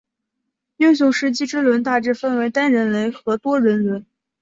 英雄时机之轮大致分为单人轮和多人轮。